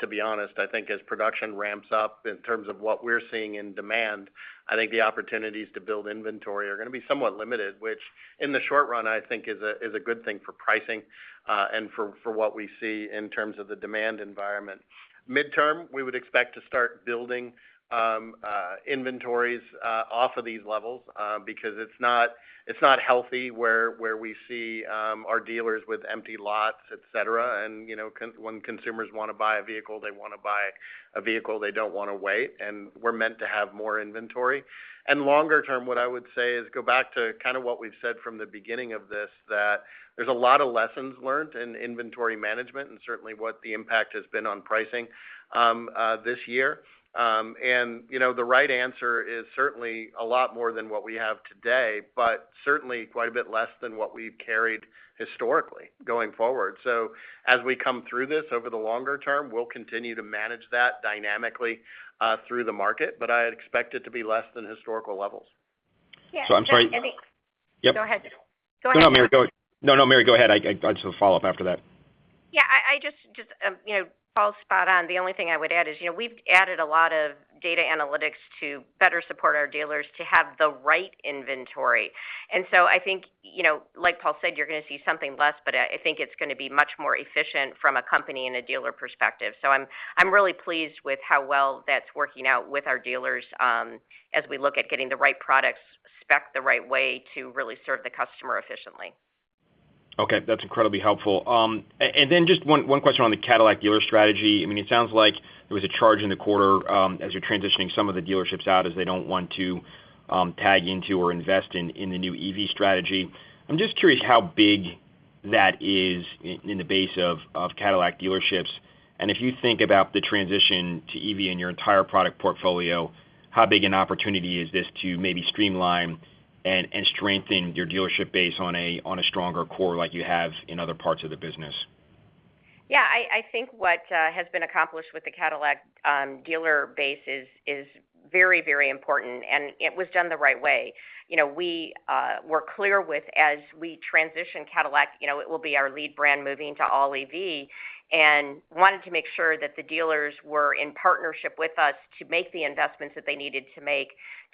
to be honest. I think as production ramps up in terms of what we're seeing in demand, I think the opportunities to build inventory are going to be somewhat limited, which in the short run, I think is a good thing for pricing, and for what we see in terms of the demand environment. Midterm, we would expect to start building inventories off of these levels, because it's not healthy where we see our dealers with empty lots, et cetera. You know, when consumers want to buy a vehicle, they don't want to wait, and we're meant to have more inventory. Longer term, what I would say is go back to kind of what we've said from the beginning of this, that there's a lot of lessons learned in inventory management and certainly what the impact has been on pricing this year. You know, the right answer is certainly a lot more than what we have today, but certainly quite a bit less than what we've carried historically going forward. As we come through this over the longer term, we'll continue to manage that dynamically through the market. I'd expect it to be less than historical levels. Yeah, John, I think. I'm sorry. Go ahead. Yep. Go ahead, John. No, Mary, go ahead. I just have a follow-up after that. Yeah, you know, Paul's spot on. The only thing I would add is, you know, we've added a lot of data analytics to better support our dealers to have the right inventory. I think, you know, like Paul said, you're going to see something less, but I think it's going to be much more efficient from a company and a dealer perspective. I'm really pleased with how well that's working out with our dealers, as we look at getting the right products spec-ed the right way to really serve the customer efficiently. Okay, that's incredibly helpful. Just one question on the Cadillac dealer strategy. I mean, it sounds like there was a charge in the quarter, as you're transitioning some of the dealerships out as they don't want to tap into or invest in the new EV strategy. I'm just curious how big that is in the base of Cadillac dealerships. If you think about the transition to EV in your entire product portfolio, how big an opportunity is this to maybe streamline and strengthen your dealership base on a stronger core like you have in other parts of the business? Yeah, I think what has been accomplished with the Cadillac dealer base is very, very important, and it was done the right way. You know, we were clear as we transition Cadillac. You know, it will be our lead brand moving to all EV, and wanted to make sure that the dealers were in partnership with us to make the investments that they needed to make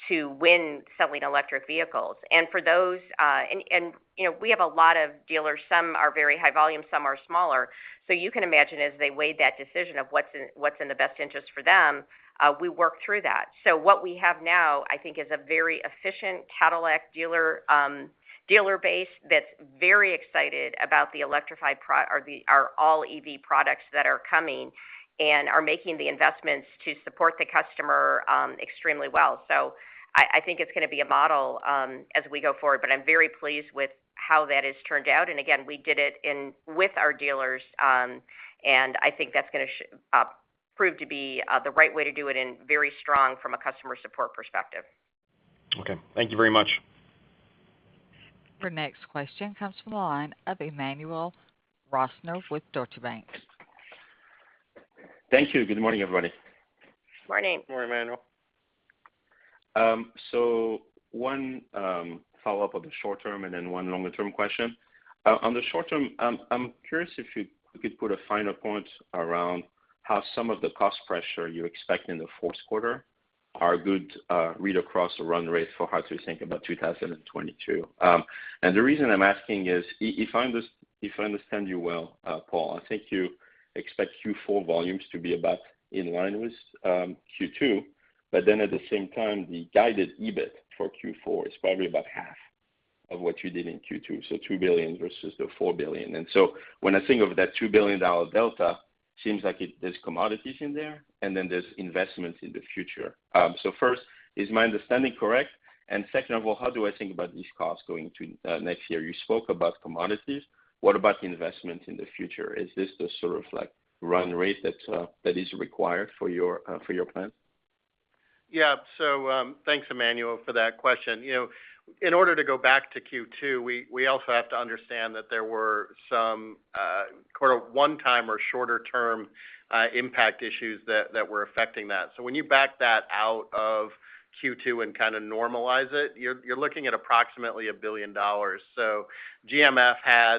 to win selling electric vehicles. For those, you know, we have a lot of dealers. Some are very high volume, some are smaller. You can imagine as they weighed that decision of what's in the best interest for them, we work through that. What we have now, I think, is a very efficient Cadillac dealer base that's very excited about our all EV products that are coming and are making the investments to support the customer extremely well. I think it's gonna be a model as we go forward, but I'm very pleased with how that has turned out. We did it with our dealers, and I think that's gonna prove to be the right way to do it and very strong from a customer support perspective. Okay. Thank you very much. Your next question comes from the line of Emmanuel Rosner with Deutsche Bank. Thank you. Good morning, everybody. Morning. Morning, Emmanuel. One follow-up on the short term and then one longer term question. On the short term, I'm curious if you could put a finer point around how some of the cost pressure you expect in the fourth quarter are a good read across the run rate for how to think about 2022. The reason I'm asking is if I understand you well, Paul, I think you expect Q4 volumes to be about in line with Q2, but then at the same time, the guided EBIT for Q4 is probably about half of what you did in Q2, so $3 billion versus the $4 billion. When I think of that $2 billion delta, seems like it, there's commodities in there, and then there's investments in the future. First, is my understanding correct? Second of all, how do I think about these costs going to next year? You spoke about commodities, what about the investment in the future? Is this the sort of like run rate that is required for your plan? Yeah, thanks Emmanuel for that question. You know, in order to go back to Q2, we also have to understand that there were some call it one-time or shorter-term impact issues that were affecting that. When you back that out of Q2 and kind of normalize it, you're looking at approximately $1 billion. GMF had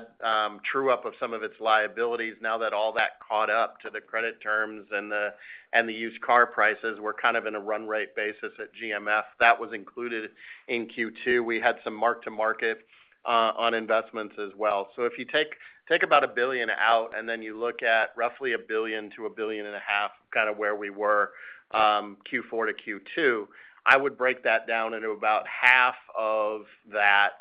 true-up of some of its liabilities now that all that caught up to the credit terms and the used car prices were kind of in a run-rate basis at GMF. That was included in Q2. We had some mark-to-market on investments as well. If you take about a billion out, and then you look at roughly a billion to a billion and a half, kind of where we were, Q4 - Q2, I would break that down into about half of that.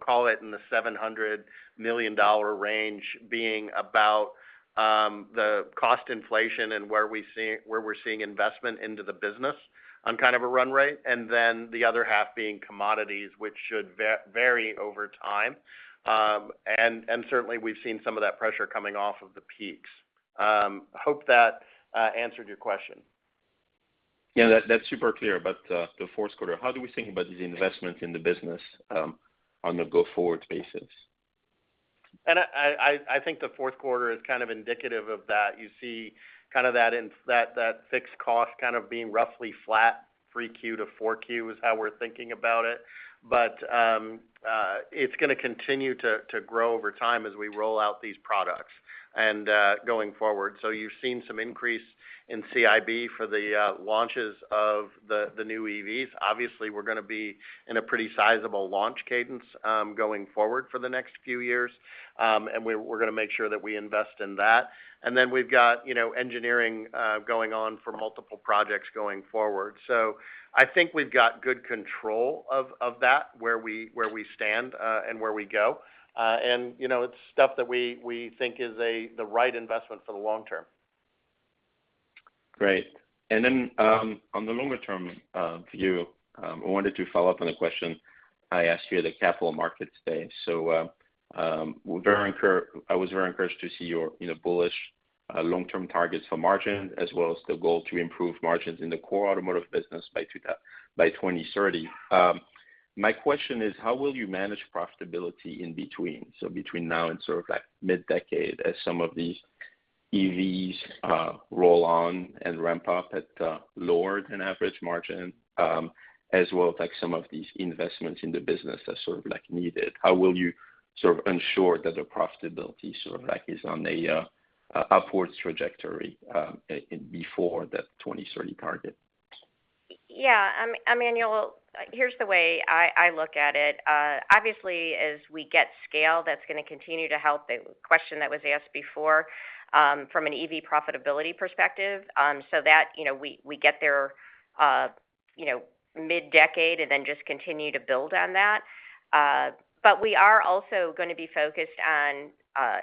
Call it in the $700 million range being about the cost inflation and where we're seeing investment into the business on kind of a run rate, and then the other half being commodities, which should vary over time. And certainly we've seen some of that pressure coming off of the peaks. Hope that answered your question. Yeah. That's super clear. The fourth quarter, how do we think about the investment in the business on a go-forward basis? I think the fourth quarter is kind of indicative of that. You see kind of that in that fixed cost kind of being roughly flat, 3Q - 4Q is how we're thinking about it. It's gonna continue to grow over time as we roll out these products and going forward. You've seen some increase in CapEx for the launches of the new EVs. Obviously, we're gonna be in a pretty sizable launch cadence going forward for the next few years. We're gonna make sure that we invest in that. We've got, you know, engineering going on for multiple projects going forward. I think we've got good control of that, where we stand and where we go. You know, it's stuff that we think is the right investment for the long term. Great. On the longer term view, I wanted to follow up on a question I asked you at the Capital Markets Day. I was very encouraged to see your, you know, bullish long-term targets for margin, as well as the goal to improve margins in the core automotive business by 2030. My question is, how will you manage profitability in between? Between now and sort of like mid-decade as some of these EVs roll on and ramp up at lower than average margin, as well as like some of these investments in the business that's sort of like needed. How will you sort of ensure that the profitability sort of like is on a upwards trajectory before the 2030 target? Yeah. Emmanuel, here's the way I look at it. Obviously, as we get scale, that's gonna continue to help, a question that was asked before, from an EV profitability perspective. So that you know we get there you know mid-decade and then just continue to build on that. But we are also gonna be focused on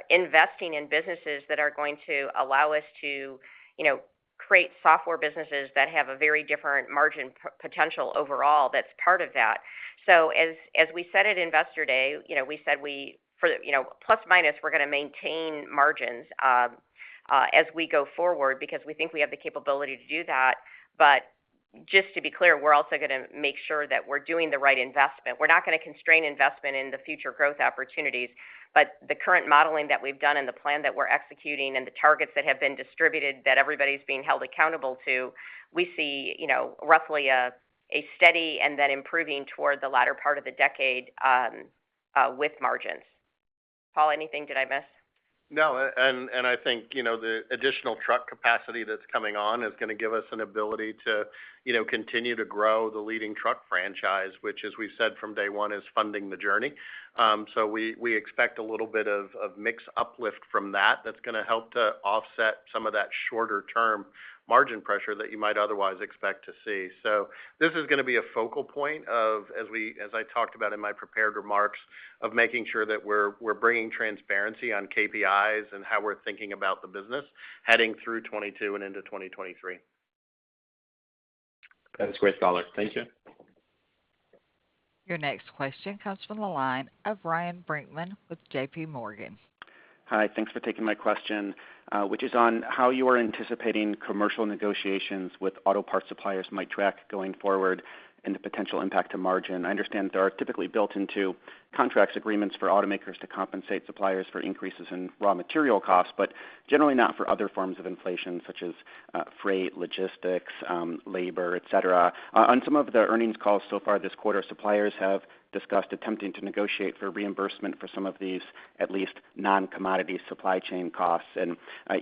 investing in businesses that are going to allow us to you know create software businesses that have a very different margin potential overall that's part of that. As we said at Investor Day, you know we said we for you know plus minus we're gonna maintain margins as we go forward because we think we have the capability to do that. Just to be clear, we're also going to make sure that we're doing the right investment. We're not going to constrain investment in the future growth opportunities, but the current modeling that we've done and the plan that we're executing and the targets that have been distributed that everybody's being held accountable to. We see, you know, roughly a steady and then improving toward the latter part of the decade with margins. Paul, anything? Did I miss? No. I think, you know, the additional truck capacity that's coming on is going to give us an ability to, you know, continue to grow the leading truck franchise, which as we've said from day one, is funding the journey. We expect a little bit of mix uplift from that that's going to help to offset some of that shorter term margin pressure that you might otherwise expect to see. This is going to be a focal point, as I talked about in my prepared remarks, of making sure that we're bringing transparency on KPIs and how we're thinking about the business heading through 2022 and into 2023. That's great color. Thank you. Your next question comes from the line of Ryan Brinkman with JPMorgan. Hi. Thanks for taking my question, which is on how you are anticipating commercial negotiations with auto parts suppliers might track going forward and the potential impact to margin. I understand there are typically built into contracts agreements for automakers to compensate suppliers for increases in raw material costs, but generally not for other forms of inflation such as, freight, logistics, labor, et cetera. On some of the earnings calls so far this quarter, suppliers have discussed attempting to negotiate for reimbursement for some of these, at least non-commodity supply chain costs.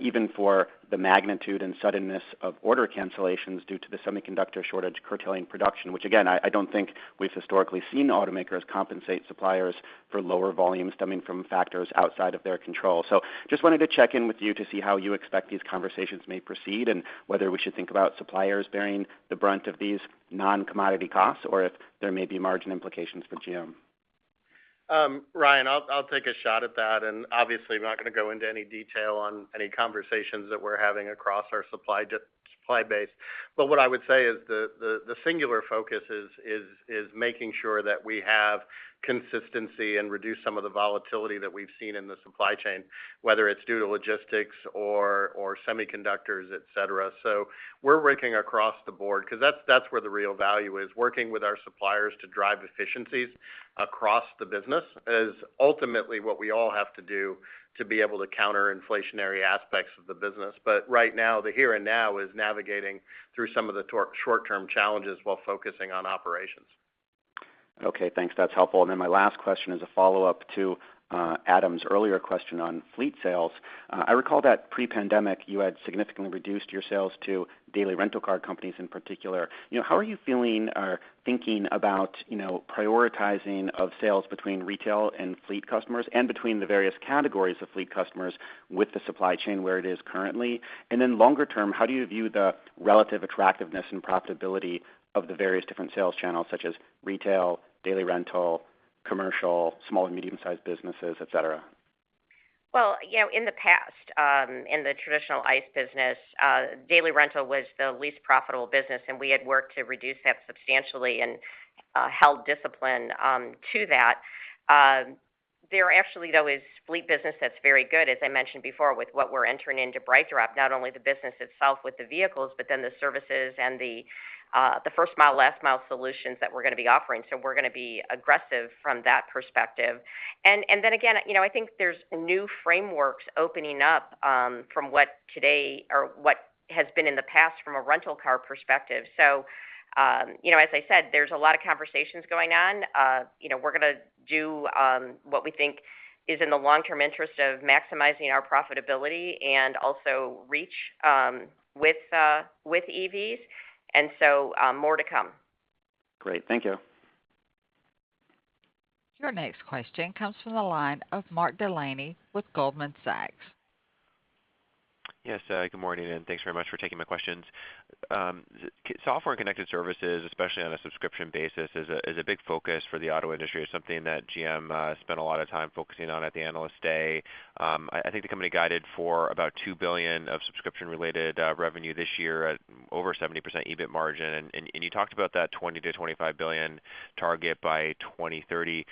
Even for the magnitude and suddenness of order cancellations due to the semiconductor shortage curtailing production, which again, I don't think we've historically seen automakers compensate suppliers for lower volumes stemming from factors outside of their control. Just wanted to check in with you to see how you expect these conversations may proceed, and whether we should think about suppliers bearing the brunt of these non-commodity costs or if there may be margin implications for GM? Ryan, I'll take a shot at that, and obviously I'm not going to go into any detail on any conversations that we're having across our supply base. What I would say is the singular focus is making sure that we have consistency and reduce some of the volatility that we've seen in the supply chain, whether it's due to logistics or semiconductors, et cetera. We're working across the board because that's where the real value is, working with our suppliers to drive efficiencies across the business is ultimately what we all have to do to be able to counter inflationary aspects of the business. Right now, the here and now is navigating through some of the short-term challenges while focusing on operations. Okay, thanks. That's helpful. My last question is a follow-up to Adam's earlier question on fleet sales. I recall that pre-pandemic, you had significantly reduced your sales to daily rental car companies in particular. You know, how are you feeling or thinking about, you know, prioritizing of sales between retail and fleet customers and between the various categories of fleet customers with the supply chain where it is currently? Longer term, how do you view the relative attractiveness and profitability of the various different sales channels such as retail, daily rental, commercial, small and medium-sized businesses, et cetera? Well, you know, in the past, in the traditional ICE business, daily rental was the least profitable business, and we had worked to reduce that substantially and held discipline to that. There actually, though, is fleet business that's very good, as I mentioned before, with what we're entering into BrightDrop, not only the business itself with the vehicles, but then the services and the first mile, last mile solutions that we're going to be offering. We're going to be aggressive from that perspective. Then again, you know, I think there's new frameworks opening up from what today or what has been in the past from a rental car perspective. You know, as I said, there's a lot of conversations going on. You know, we're going to do what we think is in the long-term interest of maximizing our profitability and also reach with EVs, and so more to come. Great. Thank you. Your next question comes from the line of Mark Delaney with Goldman Sachs. Yes. Good morning, and thanks very much for taking my questions. Software and connected services, especially on a subscription basis, is a big focus for the auto industry. It's something that GM spent a lot of time focusing on at the Investor Day. I think the company guided for about $2 billion of subscription-related revenue this year at over 70% EBIT margin. You talked about that $20 billion-$25 billion target by 2030.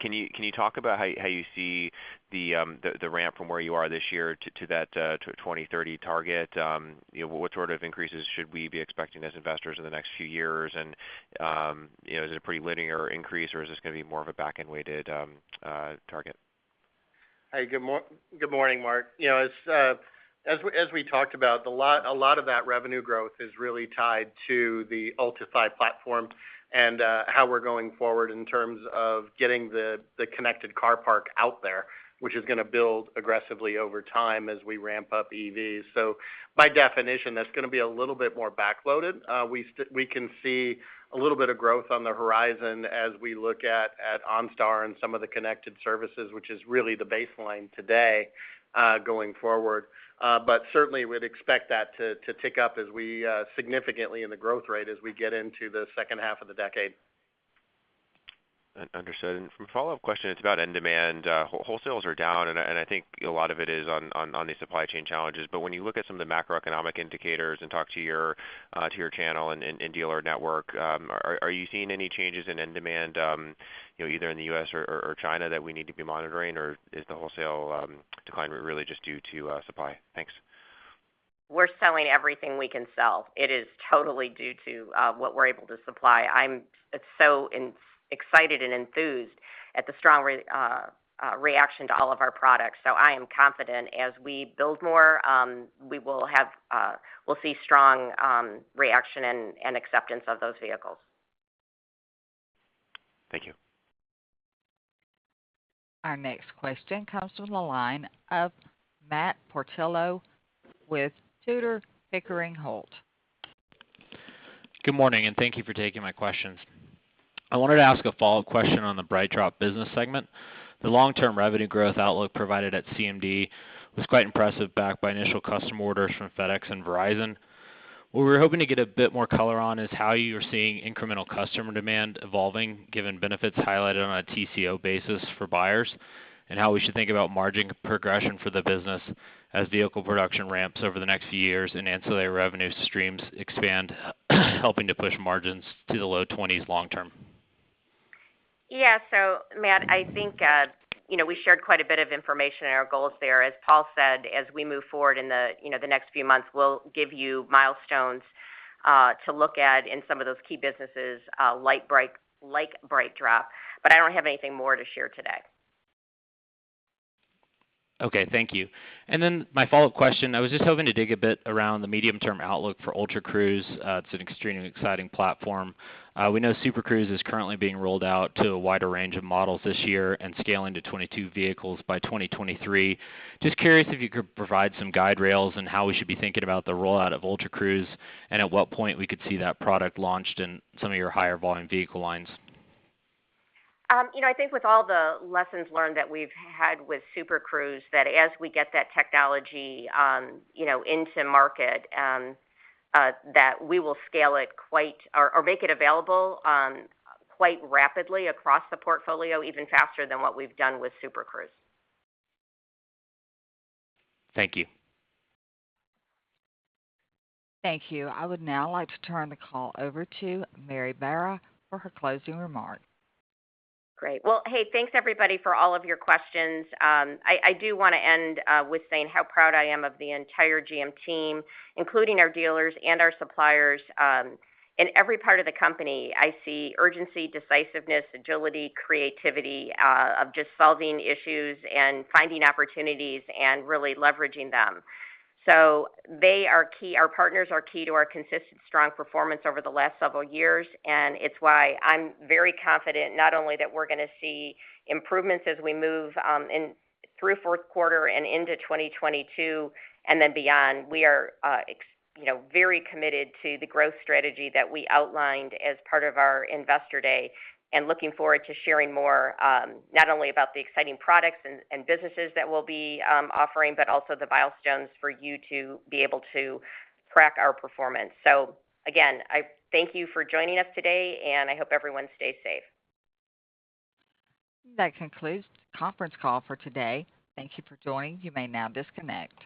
Can you talk about how you see the ramp from where you are this year to that 2030 target? You know, what sort of increases should we be expecting as investors in the next few years? You know, is it a pretty linear increase, or is this going to be more of a back-end weighted target? Hey, good morning, Mark. You know, as we talked about, a lot of that revenue growth is really tied to the Ultifi platform and how we're going forward in terms of getting the connected car park out there, which is going to build aggressively over time as we ramp up EVs. By definition, that's going to be a little bit more back-loaded. We can see a little bit of growth on the horizon as we look at OnStar and some of the connected services, which is really the baseline today going forward. Certainly we'd expect that to tick up significantly in the growth rate as we get into the second half of the decade. Understood. For a follow-up question, it's about end demand. Wholesales are down, and I think a lot of it is on the supply chain challenges. When you look at some of the macroeconomic indicators and talk to your channel and dealer network, are you seeing any changes in end demand, you know, either in the U.S. or China that we need to be monitoring? Is the wholesale decline really just due to supply? Thanks. We're selling everything we can sell. It is totally due to what we're able to supply. I'm so excited and enthused at the strong reaction to all of our products. I am confident as we build more, we will have, we'll see strong reaction and acceptance of those vehicles. Thank you. Our next question comes from the line of Matthew Portillo with Tudor, Pickering, Holt & Co.. Good morning, and thank you for taking my questions. I wanted to ask a follow-up question on the BrightDrop business segment. The long-term revenue growth outlook provided at CMD was quite impressive, backed by initial customer orders from FedEx and Verizon. What we were hoping to get a bit more color on is how you're seeing incremental customer demand evolving given benefits highlighted on a TCO basis for buyers, and how we should think about margin progression for the business as vehicle production ramps over the next few years and ancillary revenue streams expand, helping to push margins to the low 20s% long term. Yeah. Matt, I think, you know, we shared quite a bit of information in our goals there. As Paul said, as we move forward in the, you know, the next few months, we'll give you milestones to look at in some of those key businesses, like BrightDrop, but I don't have anything more to share today. Okay, thank you. Then my follow-up question, I was just hoping to dig a bit around the medium-term outlook for Ultra Cruise. It's an extremely exciting platform. We know Super Cruise is currently being rolled out to a wider range of models this year and scaling to 22 vehicles by 2023. Just curious if you could provide some guide rails and how we should be thinking about the rollout of Ultra Cruise and at what point we could see that product launched in some of your higher volume vehicle lines. You know, I think with all the lessons learned that we've had with Super Cruise, that as we get that technology, you know, into market, that we will scale it quite or make it available quite rapidly across the portfolio, even faster than what we've done with Super Cruise. Thank you. Thank you. I would now like to turn the call over to Mary Barra for her closing remarks. Great. Well, hey, thanks everybody for all of your questions. I do wanna end with saying how proud I am of the entire GM team, including our dealers and our suppliers, in every part of the company. I see urgency, decisiveness, agility, creativity, of just solving issues and finding opportunities and really leveraging them. They are key, our partners are key to our consistent strong performance over the last several years, and it's why I'm very confident not only that we're gonna see improvements as we move in through fourth quarter and into 2022 and then beyond. We are, you know, very committed to the growth strategy that we outlined as part of our Investor Day, and looking forward to sharing more, not only about the exciting products and businesses that we'll be offering, but also the milestones for you to be able to track our performance. Again, I thank you for joining us today, and I hope everyone stays safe. That concludes the conference call for today. Thank you for joining. You may now disconnect.